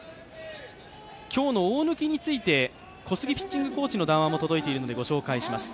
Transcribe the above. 今日の大貫について小杉ピッチングコーチの談話も届いています。